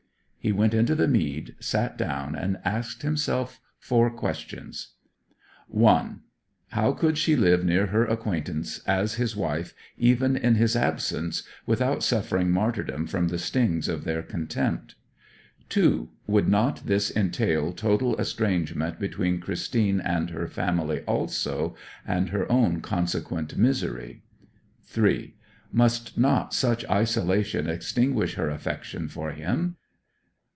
He went into the mead, sat down, and asked himself four questions: 1. How could she live near her acquaintance as his wife, even in his absence, without suffering martyrdom from the stings of their contempt? 2. Would not this entail total estrangement between Christine and her family also, and her own consequent misery? 3. Must not such isolation extinguish her affection for him?